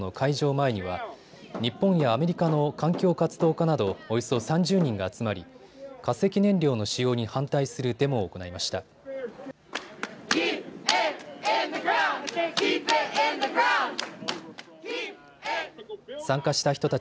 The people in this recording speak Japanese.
前には日本やアメリカの環境活動家などおよそ３０人が集まり化石燃料の使用に反対するデモを行いました。